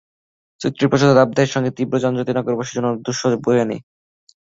চৈত্রের প্রচণ্ড দাবদাহের সঙ্গে তীব্র যানজট নগরবাসীর জন্য দুঃসহ অভিজ্ঞতা বয়ে আনে।